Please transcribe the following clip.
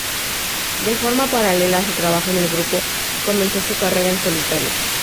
De forma paralela a su trabajo en el grupo, comenzó su carrera en solitario.